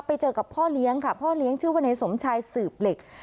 ไปเจอกับพ่อเลี้ยงค่ะพ่อเลี้ยงชื่อว่าในสมชายสืบเหล็ก